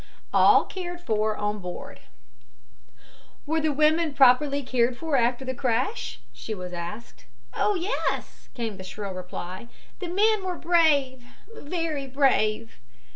ALL CARED FOR ON BOARD "Were the women properly cared for after the crash?" she was asked. "Oh, yes," came the shrill reply. "The men were brave very brave."